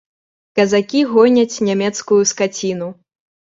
Казакі гоняць нямецкую скаціну.